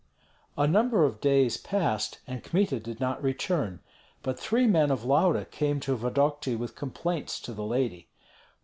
A number of days passed, and Kmita did not return; but three men of Lauda came to Vodokty with complaints to the lady.